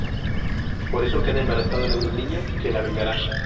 Por eso queda embarazada de una niña, que la vengará.